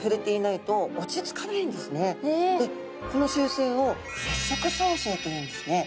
この習性を接触走性というんですね。